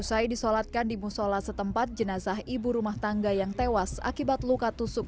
usai disolatkan di musola setempat jenazah ibu rumah tangga yang tewas akibat luka tusuk